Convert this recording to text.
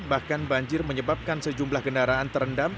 bahkan banjir menyebabkan sejumlah kendaraan terendam